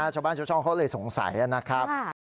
ชาวบ้านชาวช่องเขาเลยสงสัยนะครับ